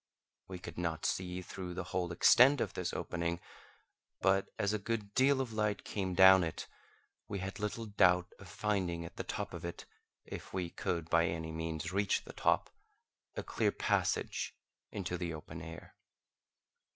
We could not see through the whole extent of this opening; but, as a good deal of light came down it, we had little doubt of finding at the top of it (if we could by any means reach the top) a clear passage into the open air.